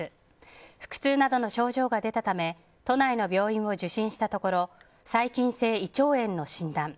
腹痛などの症状が出たため都内の病院を受診したところ細菌性胃腸炎の診断。